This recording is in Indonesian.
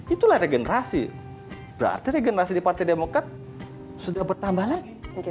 itulah regenerasi berarti regenerasi di partai demokrat sudah bertambah lagi